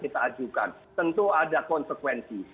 tentu ada konsekuensi